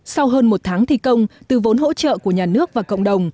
sau hơn một tháng thi công từ vốn hỗ trợ của nhà nước và cộng đồng